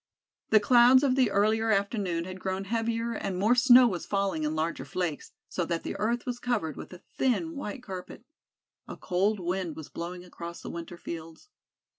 The clouds of the earlier afternoon had grown heavier and more snow was falling in larger flakes, so that the earth was covered with a thin white carpet. A cold wind was blowing across the winter fields.